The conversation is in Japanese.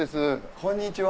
こんにちは。